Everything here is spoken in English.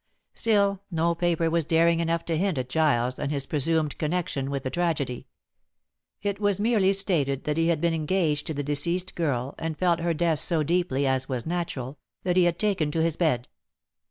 Still, no paper was daring enough to hint at Giles and his presumed connection with the tragedy. It was merely stated that he had been engaged to the deceased girl, and felt her death so deeply, as was natural, that he had taken to his bed.